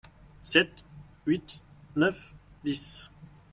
Sept, huit, neuf, dix.